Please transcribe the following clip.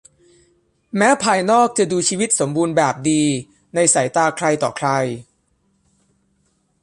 แม้ภายนอกจะดูชีวิตสมบูรณ์แบบดีในสายตาใครต่อใคร